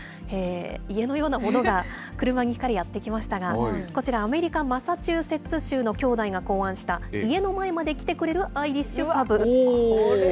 家のようなものが車に引かれ、やって来ましたが、こちら、アメリカ・マサチューセッツ州のきょうだいが考案した、家の前まで来てくれるアイリッシュパブ。